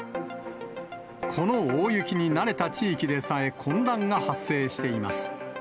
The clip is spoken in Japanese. この大雪に慣れた地域でさえ、混乱が発生しています。